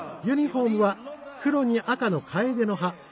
ユニフォームは黒に赤のかえでの葉。